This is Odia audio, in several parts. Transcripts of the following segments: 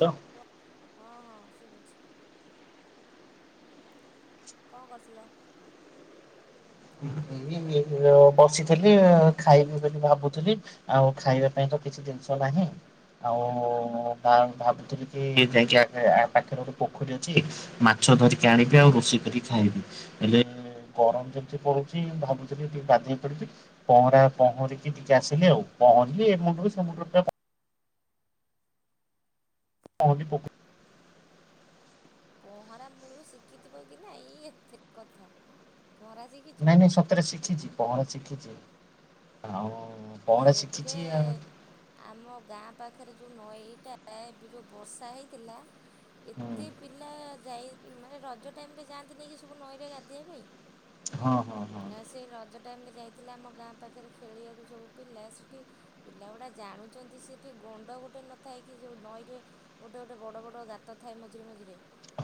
ତ [unintelligible] ହଁ ହଁ ଶୁଭୁଛି। କଣ କରୁଥିଲ? ବସିଥିଲି ଖାଇବି ବୋଲି ଭାବୁଥିଲି ଆଉ ଖାଇବା ପାଇଁ କିଛି ଜିନିଷ ନାହିଁ। ଆଉ ଭାବୁଥିଲି କି ଯାଇକି ପାଖରେ ଗୋଟେ ପୋଖରୀ ଅଛି ମାଛ ମାଛ ଧରିକି ଆଣିବି ଆଉ ରୋଷେଇ କରି ଖାଇବି। ହେଲେ ଗରମ ପଡୁଛି ଭାବୁଥିଲି ଟିକେ ଗାଧେଇ ପଡିବି ପହଁରା ପହଁରିକି ଟିକେ ଆସିଲି ଆଉ ପହଁରିଲି। [unintelligible] [unintelligible] ପହଁରା ମୂଳରୁ ଶିଖିଥିବ କି ନାଇ ଏତେ କଥା। ପହଁରା ଶିଖିଛ? ନାଇଁ ନାଇଁ ସତରେ ଶିଖିଛି ପହଁରା ଶିଖିଛି। ଆଉ ଆରେ ପହଁରା ଏବେ ଶିଖିଛି ଆଉ। ଆମ ଗାଁ ପା ପାଖରେ ଯେଉଁ ନଈଟା ଏବେ ଯେଉଁ ବର୍ଷା ହେଇଥିଲା ହୁଁ ଏତେ ପିଲା ଯାଇ ମାନେ ରଜ ଟାଇମରେ ଯାଆନ୍ତିନି କି ସବୁ ନଈରେ ଗାଧୋଇବା ପାଇଁ ହଁ ହଁ ହଁ ନା ସେ ରଜ ଟାଇମ ରେ ଯାଇଥିଲା ଆମ ଗାଁ ପାଖରେ ଖେଳିବାକୁ ଯୋଉ ପିଲା ସେଠି ପିଲା ଗୁଡ଼ା ଜାଣୁଛନ୍ତି ସେଠି ଗଣ୍ଡ ଗୋଟେ ନଥାଏ କି ଯୋଉ ନଈରେ ଗୋଟେ ଗୋଟେ ବଡ ବଡ ଗାତ ଥାଏ ମଝିରେ ମଝିରେ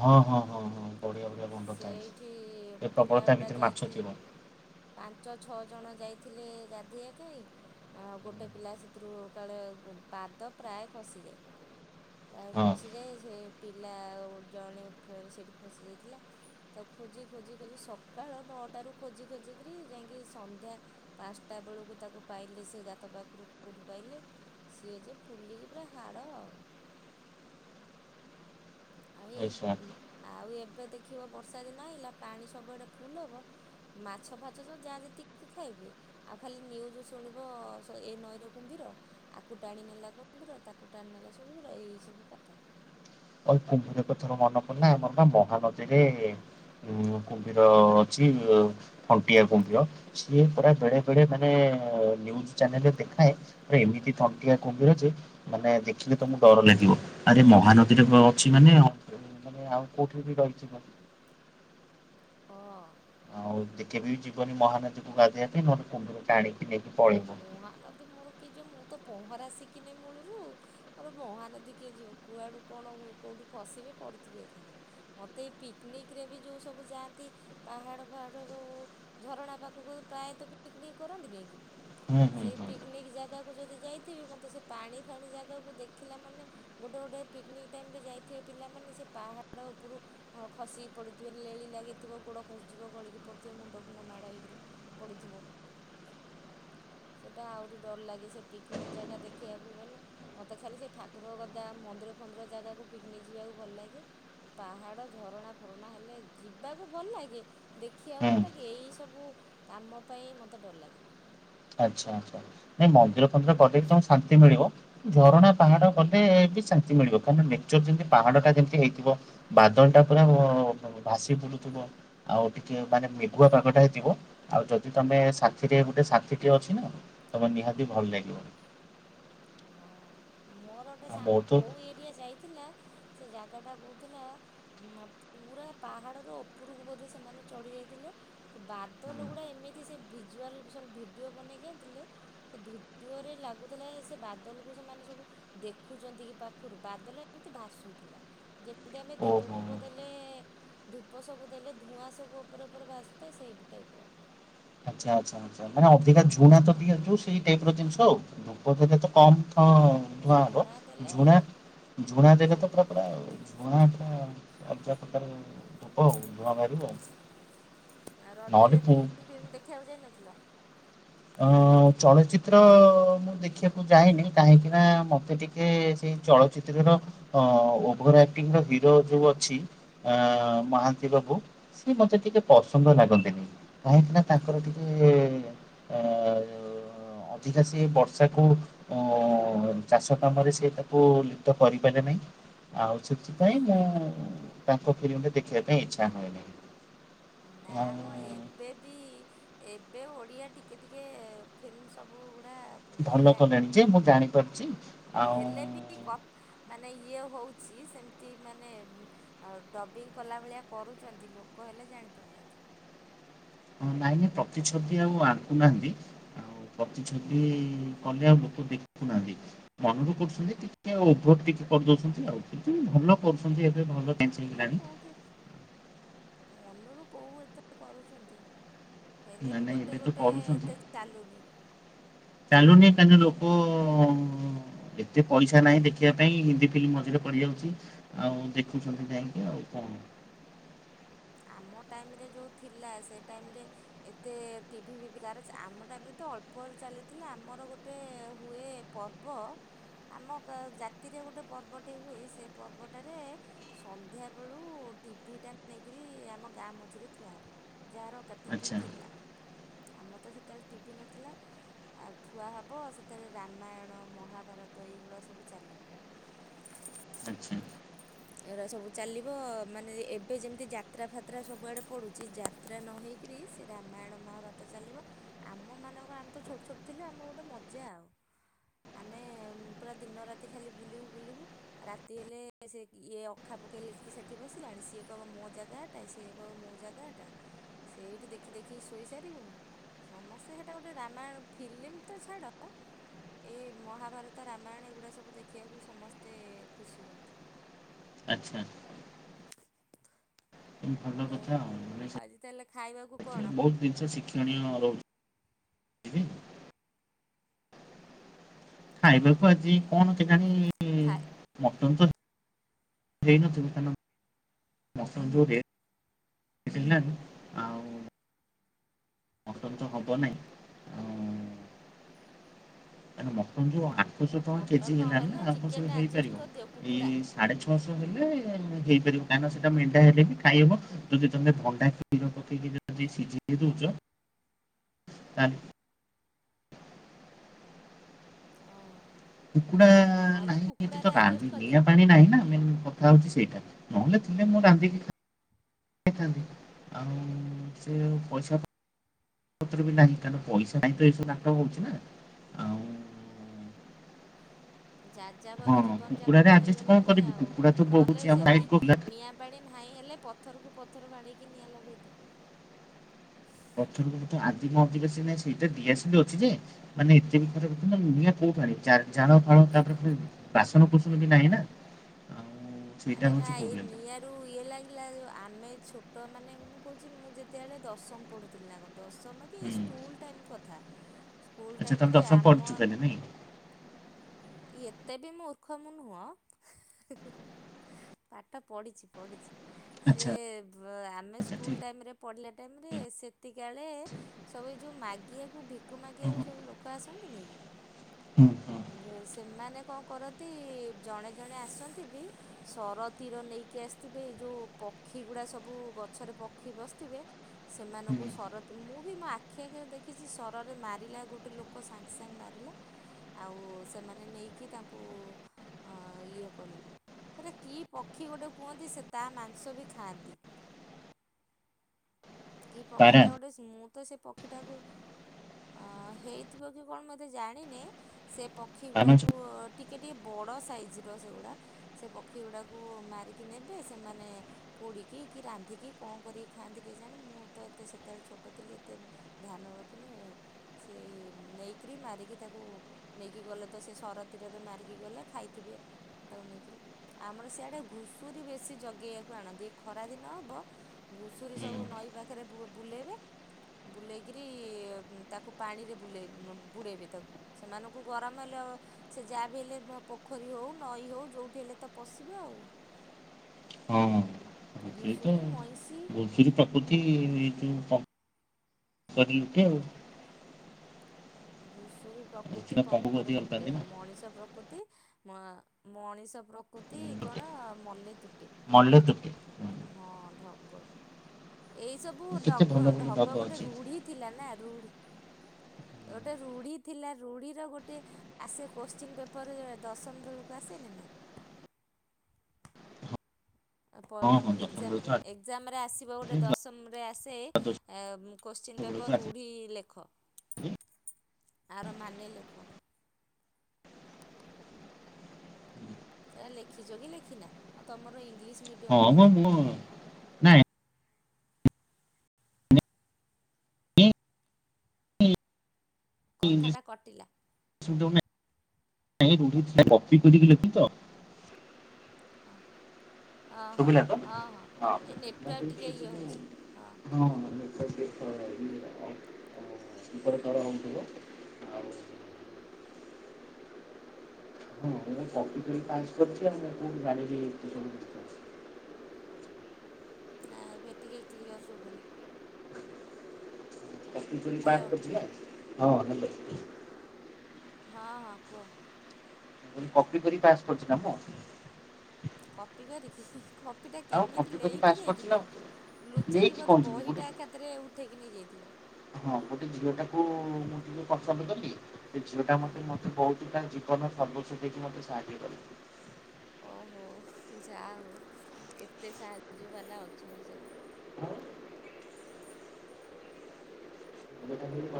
ହଁ ହଁ ହଁ ହଁ ବଢିଆ ବଢିଆ ଗନ୍ଧ ଥାଏ। ସେଇଠି ଏ ପ୍ରବଳତା ପିଲାଗୁଡ଼ା ଭିତରେ ମାଛ ଯାଇଥିଲେ ଥିବ ପାଞ୍ଚ ଛଅ ଜଣ ଯାଇ ଥିଲେ ଗାଧୋଇବା ପାଇଁ ଗୋଟେ ପିଲା ସେଥିରୁ କାଳେ ପାଦ ପ୍ରାୟ ଖସି [inaudible] ପ୍ରାୟ ହଁ ଖସିଯାଏ ସେ ପିଲା ଆଉ ଜଣେ ସେଠି ଖସି ଯାଇଥିଲା। ତା ଖୋଜି ଖୋଜି ଖୋଜି ସକାଳ ନଅଟା ରୁ ଖୋଜି ଖୋଜି କରିରି ଯାଇକି ସନ୍ଧ୍ୟା ପାଞ୍ଚଟା ବେଳକୁ ତାକୁ ପାଇଲେ ସେ ଗାତ ପାଖରୁ। [unintelligible] ପାଇଲେ। ସିଏ ଯେ ଫୁଲିକି ପୁରା ହାଡ଼ [inaudible] ଆଉ ନିଶ୍ଚୟ ଏଇ ଆଉ ଏ ଏବେ ଦେଖିବ ବର୍ଷା ଦିନ ଆଇଲା ପାଣି ସବୁଆଡ଼େ ଫୁଲ ହେବ ମାଛ ଫାଚ ଯାହା ଯେତିକି ଖାଇବେ ଆଉ ଖାଲି ନ୍ୟୁଜ୍ ଶୁଣିବ ଏ ନଈର କୁମ୍ଭୀର ଆକୁ ଟାଣିନେଲା କୁମ୍ଭୀର ତାକୁ ତାକୁ ଟାଣି ନେଲା ସେ କୁମ୍ଭୀର ଏଇ ସବୁ କଥା କୁମ୍ଭୀର କଥାରୁ ମନେ ପଡ଼ିଲା ଆମର ପରା ମହାନଦୀରେ ଉ କୁମ୍ଭୀର ଅଛି ଥଣ୍ଟିଆ କୁମ୍ଭୀର। ସିଏ ପରା ବେଳେ ବେଳେ ମାନେ ନ୍ୟୁଜ୍ ଚ୍ୟାନେଲ ରେ ଦେଖାଏ ଏମିତି ଥଣ୍ଟିଆ କୁମ୍ଭୀର ଯେ ତମେ ଦେଖିଲେ ତମକୁ ଡର ଲାଗିବ। ଆରେ ମହାନ ଅଛି ମାନେ ମାନେ ଆଉ କୋଉଠି ବି ରହିଯିବ। ହଁ। ଆଉ ଟିକେ ବି ଯିବନି ମହାନଦୀକୁ ଗାଧୋଇବା ପାଇଁ ନହେଲେ କୁମ୍ଭୀର ଟାଣି ମହାନଦୀ ମୋର କି ଯିବ ମୋ ମୁଁ ତ ପହଁରା ଶିଖିନି ମୂଳରୁ ମୋର ମହାନଦୀ କିଏ ଯିବ, କୁଆଡୁ କଣ କୋଉଠୁ ଖସିବି ପଡ଼ିଥିବି ଏକାଥରେ। ମୋତେ ଏଇ ପିକ୍ନିନିକ୍ ରେ ବି ଯୋଉ ସବୁ ଯାଆନ୍ତି ପାହାଡ଼ ଫାହାଡ଼ ଯୋଉ ଝରଣା ପାଖକୁ ପ୍ରାୟତଃ ପିକନିକ୍ କରନ୍ତିନି କି ହୁଁ ହୁଁ ସେ ହୁଁ ପିକ୍ନିକ୍ ଜାଗାକୁ ଯଦି ଯାଇ ଥିବି ମତେ ସେ ପାଣି ଫାଣି ଜାଗାକୁ ଦେଖିଲା ମାନେ ଗୋଟେ ଗୋଟେ ପିକ୍ନିକ୍ ଟାଇମ ରେ ଯାଇଥିବେ ପିଲାମାନେ ସେ ପାହାଡ ଉପରୁ ଖସିକି ପଡିଥିବେ ଲେଳି ଲାଗିଥିବ ଗୋଡ ଖସିଯିବ ଗଳିକି ପଡିଥିବ ମୁଣ୍ଡ ଫୁଣ୍ଡ ମାଡ଼ ହେଇକିରି ପଡ଼ିଥିବ। [inaudible] ସେଇଟା ଆହୁରି ଡର ଲାଗେ ସେ ପିକ୍ନିକ୍ ଜାଗା ଦେଖିବାକୁ ଗଲେ ମୋତେ ଖାଲି ସେ ଠାକୁର କଥା ମନ୍ଦିର ମନ୍ଦିର ଫନ୍ଦିର ଜାଗାକୁ ପିକ୍ନିକ ଯିବାକୁ ଭଲ ଲାଗେ। ପାହାଡ଼ ଝରଣା ଫରଣା ହେଲେ ଯିବାକୁ ଭଲ ଭଲ ଲାଗେ ଦେଖିବା ହୁଁ ଭଲ ଲାଗେ ଏଇ ସବୁ କାମ ପାଇଁ ମତେ ଡର ଲାଗେ। ଆଚ୍ଛା ଆଚ୍ଛା ନାଇଁ ମନ୍ଦିର ଫନ୍ଦିର ଗଲେ ବି ତମକୁ ଶାନ୍ତି ମିଳିବ। ଝରଣା ପାହାଡ ଗଲେ ଶାନ୍ତି ମିଳିବ କାର ନେଚର ଯେମିତି ପାହାଡ ଟା ଯେମିତି ହେଇଥିବ ବାଦଳ ଟା ପୁରା ଭାସି ଆଉ ଟିକେ ମାନେ ମେଘୁଆ ପାଗଟା ହେଇଥିବ, ଆଉ ଯଦି ତମେ ସାଥିରେ ଗୋଟେ ସା ଅଛି ନା ତମ ନିହାତି ଭଲ ଲାଗିବ। ହଁ ମୋର ଗୋଟେ ଆଉ ସାଙ୍ଗ ମୋର ତ କୋଉ ଏରିଆ ଯାଇଥିଲା ସେ ଜାଗା ଟା କହୁଥିଲା ଉ ପୁରା ପାହାଡ ର ଉପରକୁ ବୋଧେ ସେମାନେ ଚଢିଯ ବାଦୁଲା ଗୁଡା ଏମିତି ଭିଜୁଲ ସବୁ ଭିଡି ବନେଇକିଥିଲେ ଭିଡିଓରେ ଲାଗୁଥିଲା ସେ ବାଦଲ କୁ ସେମାନେ ସବୁ ଦେଖୁଛନ୍ତି କି ପାଖରୁ ବାଦଲ ଏମିତି ଭାସୁଥିଲା, ଯେମିତି ଆମେ ଧୂପ ଓହୋ। ଫୂପ ଦେଲେ ଧୂପ ସବୁ ଦେଲେ ଧୂଆଁ ସବୁ ଉପରେ ଉପରେ ଭାସୁଥାଏ, ସେଇ ଟାଇପ ର ଆଛା ଆଛା ଆଛା ମାନେ ଅଧିକା ଝୁଣା ତ ବି ସେଇ ଟାଇପ ର ଜିନିଷ ଆଉ [unintelligible] ଧଆଁ ଝୁଣା ଦେଲେ ଝୁଣା ଝୁଣା ଦେଖ ସେଇ ତ ପୁରା ପୁରା ଝୁଣାଟ ଅଧ୍ୟାପକ ଉ ଧୂଣ ବାହାରିବ ନଅଟି ପୁ ଖଉ ଯାଇ ନଥିଲ? ଅ ଚଳଚିତ୍ର ମୁଁ ଦେଖିବାକୁ ଯାଏନି କାହିଁକି ନା ମତେ ଟିକେ ସେଇ ଚଳଚିତ୍ରର ଅ ଓଘରା ହିରୋ ଯୋଉ ଅଛି, ମହାନ୍ତି ବାବୁ ସି ମତେ ଟିକେ ପସନ୍ଦ ଲାଗନ୍ତିନି କାହିଁକି ନା ତାଙ୍କର ଟିକେ ଅ ଅଧିକା ସେ ବର୍ଷାକୁ ଅ ଚାଷ କାମରେ ସେ ତାକୁ ଲିପ୍ତ କରିପାରେ ନାହିଁ ଆଉ ସେଥିପାଇଁ ନା ତାଙ୍କ ଫିଲ୍ମରେ ଦେଖିବା ପାଇଁ ଇଛା ହୁଏନହିଁ। ନାମ ଏବେ ବି ଏବେ ଓଡ଼ିଆ ଟିକେ ଟିକେ ଫିଲ୍ମ ସବୁ ଗୋଟେ ଭଲ କଲେଣି ଯେ ମୁଁ ଜାଣି ପାରୁଛି। ହେଲେ ବି କ ମାନେ ଇଏ ହଉଛି ସେମିତି ମାନେ ଡବିଙ୍ଗ କଲା ଭଳିଆ କରୁଛନ୍ତି, ଲୋକ ହେ ଲେ ଜାଣିପାରୁନାହାନ୍ତି। ହଁ ନାଇଁ ନାଇଁ ପ୍ରତି ଛବି ଆଉ ଆଣକୁୁନାହାନ୍ତି ପ୍ରତି ଛବି କଲେ ଆଉ ଲୋକ ଦେଖୁନାହାନ୍ତି ମନରୁ କରୁଛନ୍ତି ଟିକେଭ ଟିକେ କରିଦଉଛନ୍ତି ଆଉ ଭଲ କରୁଛନ୍ତି, ଏବେ ଭଲଞ୍ଚ ମନରୁ ହେଇଗଲାଣି। କୋଉଠି ମନରୁ କୋଉ ଏତେ କରୁଛନ୍ତି। ହେଲେ ନାଇଁ ବି ନାଇଁ ଏବେ ଗୋଟେ ତ ଗୋଟେ କରୁଛନ୍ତି, ଏତେ ଚାଲୁନି ଚାଲୁନି ତା ଲୋକ ଓ! ଏତେ ପଇସା ନାହିଁ ଦେଖିବା ପାଇଁ ହିନ୍ଦୀ ଫିଲ୍ମ, ମଝିରେ ପଡି ଯାଉଛି ଆଉ ଦେଖୁଛନ୍ତି ଯାଇକି ଆଉ କଣ? [inaudible] ଆମ ଟାଇମ ରେ ଯୋଉ ଥିଲା ସେ ଟାଇମରେ, ଏତେ ଟିଭି ଫିଭି ଗାଁରେ ଆମ ଟାଇମରେ ତ ଅଳ୍ପ ଚାଲିଥିଲା ଆମର ଗୋଟେ ହୁଏ ପର୍ବ ଆମ ଜାତିରେ ଗୋଟେ ପର୍ବଟେ ହୁଏ ସେ ପର୍ବଟାରେ ସନ୍ଧ୍ୟା ବେଳୁ ଟିଭି ଟା ନେଇ କିରି ଆମ ଗାଁ ମଝିରେ ଥୁଆ ହେବ ଯାହାର ଟିଭି ଆଚ୍ଛା ଥିଲା। ଆମର ତ ଯେତେବେଳେ ଟିଭି ନଥିଲା ଆଉ ଥୁଆ ହବ ସେଥିରେ ରାମାୟଣ, ମହାଭାରତ ଏଇଗୁଡ଼ା ସବୁ ଚାଲିବ। ଆଚ୍ଛା! ଏରା ସବୁ ଚାଲିବ ମାନେ ଏବେ ଯେମିତି ଯାତ୍ରା ଫାତ୍ରା ସବୁଆଡେ ପଡୁଛି ଯାତ୍ରା ନ ହେଇକି ରି କି ସେ ରାମାୟଣ, ମହାଭାରତ ଚାଲିବ ଆମ ମାନଙ୍କ ଆମେ ତ ଛୋଟ ଛୋଟ ଥିଲୁ ଆମର ଗୋଟେ ମଜା ଆଉ। ଆମେ ପୁରା ଦିନ ରାତି ଖାଲି ବୁଲିବୁ ବୁଲିବୁ ରାତି ହେଲେ ସେ ଇଏ ଅଖା ପକେଇଲେ କିି ସେଠି ବସିଲାଣି, ସିଏ କହିବ ମୋ ଜାଗାଟା, ସିଏ କହିବ ମୋ ଜାଗାଟା ସେଇଠି ଦେଖି ଦେଖି ଶୋଇ ସାରିବୁଣୁ ସମସ୍ତେ ସେଇଟା ଗୋଟେ ରାମାୟଣ ଫିଲ୍ମ ତ ଛାଡ ଏଇ ମହାଭାରତ, ରାମାୟଣ ଏଗୁଡ଼ା ସବୁ ଦେଖିବାକୁ ସମସ୍ତେ ଖୁସି ହୁଅନ୍ତି। ଆଚ୍ଛା! ଭଲ ଓ କଥା ଆଉ। ଆଜି ତାହେଲେ ଖାଇବାକୁ କଣ? ବହୁତ ଜିନିଷ ଶିକ୍ଷଣୀୟ ରହୁଛି। ଖାଇବାକୁ ଆଜି କଣ ହଁ କେଜାଣି ଖାଇ ମଟନ୍ ତ ହେଇ ନଥିବ ତା ନ ମଟନ ଯାଉ ରେଟ୍ ରେଟ୍ ହେଲାଣି। ମଟନ୍ ତ ହବ ନାଇଁ ଆଉ ମଟନ୍ ଯୋଉ ଛଶହ ଟଙ୍କା କେଜି ମଟନ୍ ହେଲାନି ନହେଲେ ନା ଆଉ କଣ ସେ ଚିକେନ୍ ଆଡ଼ଜଷ୍ଟ ହେଇପାରିବ? କରିଦିଅ କୁକୁଡ଼ା ଏଇ ସାଢ଼େ ଛଅଶହ ହେଲେ ହେଇପାରିବ କାହିଁକିନା ସେଇଟା ମେଣ୍ଢା ହେଲେ ବି ଖାଇହେବ, ଯଦି ତୁମେ ଭଣ୍ଡା କ୍ଷୀର ପକେଇକି ଯଦି ସିଝେଇ ଦଉଛ ଆ ହଁ। କୁକୁଡା ନହେଲେ ନାହିଁ ଏଠି ତ କୁକୁଡ଼ାରେ ଆଡ଼ଜଷ୍ଟ ରାନ୍ଧି କରିଦିଅ ନିଆଁ ପାଣି ନାହିଁ ନା ମେନ୍ କଥା ହଉଛି ସେଇଟା। ନହେଲେ ତୁମେ ମୁଁ ରାନ୍ଧିକି ଖା ଥାନ୍ତି ଆଉ ସେ ପଇସା ପ ପତର ବି ନାହିଁ କାରଣ ପଇସା ନାହିଁ ତ ଏସବୁ ନାଟ ହଉଛି ନା ଆଉ ହଁ ଯାଯାବର ଜୀବନ କୁକୁଡ଼ାରେ ଯାପନ ଆଡଜଷ୍ଟ କଣ ହେଇଗଲାଣି କରିବି ଆଉ କୁକୁଡ଼ା ତ ବହୁଛି ନହେଲେ ଆମ ସାଇଟ୍ ସେମତି କୁକୁଡ଼ା ନିଆଁ ପାଣି ନାହିଁ। ହେଲେ ପଥରକୁ ପଥର ବାଡ଼େଇକି ନିଆଁ ଲଗେଇଦିଅ। ପଥରକୁ ପଥର ଆଦିମ ଅଧିବାସୀ ମାନେ ସେଇଟା ଦଆସିଲି ଅଛି ଯେ ମାନେ ଏତେ ବି ନିଆଁ କଉ ପାଣି ଚାଳ ଫାଳ ତା ପରେ ବାସନ କୁସନ ବି ନାହିଁ ନା ଆଉ ସେଇଟା ଆରେ ହଉଛି ନାଇ ଏଇ ପ୍ରୋବ୍ଲେମ ନିଆଁରୁ ଇଏ ଲାଗି ଆମେ ଛୋ ତ ମାନେ ମୁଁ କହୁଛି ମୁଁ ଯେତେବେଳେ ଦଶମ ପଢ଼ୁଥିଲି ନା କଣ ଦଶମ କି ହୁଁ ସ୍କୁଲ ଟାଇମ୍ କଥା। ସ୍କୁଲ ଆଚ୍ଛା, ତମେ ଟାଇମରେ ଦଶମ ପଢିଛ ଆମ ତାହାଲେ ନାଇଁ? ଏତେ ବି ମୂର୍ଖ ମୁଁ ନୁହଁ, ହିଁ ପାଠ ପଢ଼ିଛି ପଢ଼ିଛି। ସେ ଆଚ୍ଛା ଆମେ ଆଚ୍ଛା ଠିକ ସ୍କୁଲ ଟାଇମରେ ପଢିଲେ ଟାଇମରେ ସେତିକି ବେଳେ ସବୁ ଯୋଉ ମାଗିବାକୁ ଭିକ ହଁ ମାଗିବାକୁ ହଁ ସବୁ ଲୋକ ଆସ ହୁଁ ହଁ ସେମାନେ କଣ କରନ୍ତି ଜଣେ ଜଣେ ଆସନ୍ତି। ସର ତୀର ନେଇକି ଆସିଥିବେ ଏ ଯୋଉ ପକ୍ଷୀ ଗୁଡା ସବୁ ଗଛରେ ପକ୍ଷୀ ବସିଥିବେ। ସେମାନଙ୍କୁ ହୁଁ ସର ମୁଁ ବି ମୋ ଆଖି ଆଖିରେ ଦେଖିଛି ସରରେ ମାରିଲା ଗୋଟେ ଲୋକ ସାଙ୍ଗେ ସାଙ୍ଗେ ମାର ହେଲା ଆଉ ସେମାନେ ନେଇକି ତାଙ୍କୁ ଅ ଇଏ ସେଇଟା କି ପକ୍ଷୀ ଗୋଟେ କୁହନ୍ତି ସେ ତା ମାଂସ ବି ଖାଆନ୍ତି। [inaudible] କି ପକ୍ଷୀ ପାରା ଟା ଗୋଟେ ସ୍ମୁଥ ତ ସେ ପକ୍ଷୀଟାକୁ ହଁ ହେଇଥିବ କି କଣ ଏତେ ଜାଣିନି। ସେ ପକ୍ଷୀ ପାରା ମାଛ ଗୁଡାକୁ ଟି ଟିକେ ଟିକେ ବଡ଼ ସାଇଜ ସେଗୁଡ଼ା ସେ ପକ୍ଷୀ ଗୁଡ଼ାକୁ ମାରିକି ନେବେ ସେମାନେ ପୋ ପୋଡ଼ିକି କି ରାନ୍ଧିକି କଣ କରିକି ଖାଆନ୍ତି କେଜାନି? ଜାଣି ମୁଁ ତ ଏତେ ସେତେବେଳେ ଛୋଟ ଥିଲି ଏତେ ଧ୍ୟାନ ରଖିନି ସେଇ ନେଇକରି ମାରିକି ତାକୁ ନେଇକି ଗଲେ ତ ସେ ସରତୀରରେ ମାରିକି ଗଲେ ଖାଇଥିବେ। ତାକୁ ନେଇକରି ଆମର ସିଆଡେ ଘୁଷୁରୀ ବେଶୀ ଯ ଗେଇବାକୁ ଆଣନ୍ତି, ଖରା ଦିନ ହବ ଘୁଷୁରୀ ହୁଁ ଯୋଉ ନଈ ପାଖରେ ବୁଲେଇବେ। ବୁଲେଇକରି ତାକୁ ପାଣିରେ ବୁଲେଇ ବୁଡ଼ାଇବେ ତାକୁ ସେମାନଙ୍କୁ ଗରମ ହେଲେ ହଁ ସେ ଯାହା ବି ହେଲେ ପୋଖରୀ ହଉ ନଈ ହଉ ଯୋଉଠି ହେଲେ ତ ପଶିବେ ଆଉ। ହଁ ସେହି ତ ଘୁଷୁରୀ ମଇଁଷି ଘୁଷୁରୀ ପ୍ରକୃତି ଏଇ ଯୋଉ କରିଛନ୍ତି ଆଉ। ଘୁଷୁରୀ ପ୍ରକୃତି ଏଥିର ପାଗକୁ ପଙ୍କରେ ଅଧିକ ଲୁଟେ ଅଲଗା ହଁ ନା ମଣିଷ ପ୍ରକୃତି ତି ମଣିଷ ପ୍ରକୃତି କଣ ମଲେ ତୁଟେ। ମଲେ ତୁଟେ। ହଁ ଢ଼ଗ। ଏଇ ସବୁ କେତେ ଡଗ ଭଲ ଭଲ ଢଗ ବାଗ ଗୋଟେ ଅଛି ରୁଢି ଥିଲା ନା ରୁଢି। ଗୋଟେ ରୁଢି ଥିଲା ରୁଢିର ଗୋଟେ ଆସେ କୋସଚିନ୍ ପେପର ଦଶମ ବେଳକୁ ଆସେନି। ନା [inaudible] ଆ ପ ହଁ ହଁ ଦଶମ ଏକଜାମରେ ବେଳକୁ ଏକଜାମରେ ଆସିବ ଗୋଟେ ଆସିଛି ଦଶମରେ ଆସେ ଦ୍ୱାଦଶ କୋସଚିନ୍। ପେପର୍ ବେଳକୁ ରୂଢ଼ି ଲେଖ ଲେଖ ଆସିଛି ଆର ମାନେ ଲେଖ। ସେଇରା ଲେଖିଛ କି ଲେଖିନା ଆଉ ତମର ଇଂଲିଶ। ମିଡ଼ିୟମ୍ ହଁ ବୋଧେ ମ ଥିବ ମୁଁ। ନାଇଁ ନାଇଁ, କଥାଟା କଟିଲା। ନାହିଁ ରୂଡ଼ି ଥିବ କପି କରି ଲେଖିଚି ତ। ଅ। ଶୁଭିଲା ତ ହଁ ଏ ମୁଁ ନେଟୱାର୍କ କହିଲି ଟିକେ ଏ ଇଏ ହେଉଛି ହଁ ଯୋଉ ମୁଁ ହଁ। [inaudible] ଉପର ତଳ ହଉଥିବ ଆଉ। ହଁ ମୁଁ କପିକରି ପାସ କରିଛି ଆଉ ମୁଁ କୋଉଠୁ ଜାଣିନି ଏତେ କଥା। ନା ଏବେ ଟିକେ କ୍ଲିଅର ଶୁଭୁନି। କପି କରି ହ୍ୟାଲୋ ପାସ କରିଛି ନା ହଁ ହାଲୋ। ହଁ ହଁ କୁହ। କପି କରି ପାସ କରିଛି ନା ମୁଁ। କପି କରି କିି ହିଁ ହିଁ କ ଆଉ କପି ପାସ୍ କରିଚି ନା ଆଉ। ଲୁଚେଇକି ବୋଧେ ବହିଟା ଏକାଥରେ ଉଠେଇକି ନେଇ ଯାଇଥିଲ। ଟୁ ମୁଁ ଟିକେ ପସନ୍ଦ କଲି ସେ ଝିଅ ଟା ହଁ ମତେ ମତେ ବହୁତ। ତା ଜୀବନ ସର୍ବୋଚ୍ଚ ଦେଇକି ମତେ ସାହାଯ୍ୟ କଲା। ଓ ହୋ ଯା ହଉ ଏତେ ସାହାଯ୍ୟ ବାଲା ଅଛନ୍ତି ସବୁ।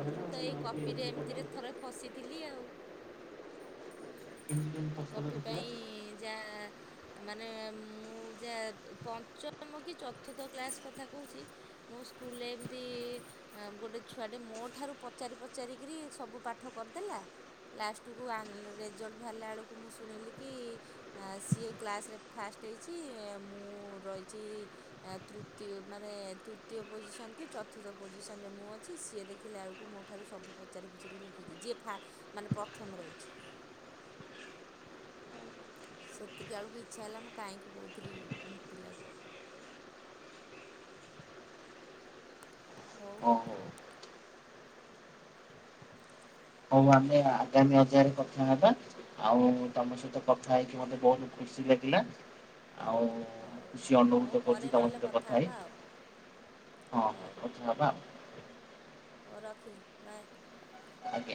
ମୁଁ ତ ଏଇ କପିରେ ଏମିତିରେ ଥରେ ଫସିଥିଲି ଆଉ। କପି ପାଇଁ ଯା। ମାନେ ମୁଁ ଯା ପଞ୍ଚମ କି ଚତୁର୍ଥ କ୍ଲାସ କଥା କହୁଛି ମୁଁ ସ୍କୁ ସ୍କୁଲ ରେ ଏମିତି ଗୋଟେ ଛୁଆଟେ ମୋ ଠାରୁ ପଚାରି ପଚାରି କିରି ସବୁ ପାଠ କରିଦେଲା। ଲାଷ୍ଟ କୁ ଆନ ରେଜଲ୍ଟ ଭାରିଲା ବେଳକୁ। ମୁଁ ଶୁଣିଲି କି ଆଁ ସିଏ କ୍ଲାସ୍ ରେ ଫାଷ୍ଟ ହେଇଛି ମୁଁ ରହିଛି। ତୃତୀୟ ମାନେ ତୃତୀୟ ପୋଜିସନ ଚତୁର୍ଥ ପୋଜିସନରେ ମୁଁ ଅଛି ସିଏ ଦେଖିଲା ବେଳକୁ। ମୋ ଠାରୁ ସବୁ ପଚାରି ପୁଚୁରି ଲେଖିଚି ଯିଏ ଫା ମାନେ ପ୍ରଥମ ରେ ଅଛି। ସେତିକି ଆଳକୁ ଇଚ୍ଛା ହେଲା ମୁଁ କାହିଁକି କହୁଥିଲି ଲୋକଙ୍କୁ ପିଲାକୁ। ହଉ ଓ ହୋ। ହଉ ଆମେ ଆଗାମୀ ଅଧ୍ୟୟ ରେ କଥା ହେବା ଆଉ ତମ ସହିତ କଥା ହେଇକି ମତେ ବହୁତ ଖୁସ ଖୁସି ଲାଗିଲା ଆଉ ମୁଁ ହଉ ହଉ ଖୁସି ହଉ ଅନୁଭୂତ ପରେ କରୁଛିୁ ତୁମ ନହେଲେ ସହିତ କଥା ହେଇ। ହେବା ଆଉ ହଉ ହଁ କଥା ହେବା ଆଉ। ହଉ ରଖିଲି ବାଏ। ଆଉ ଆଜ୍ଞା।